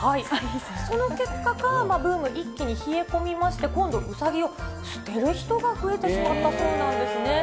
その結果から、ブーム、一気に冷え込みまして、今度、うさぎを捨てる人が増えてしまったそうなんですね。